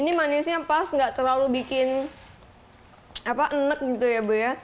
ini manisnya pas nggak terlalu bikin nk gitu ya bu ya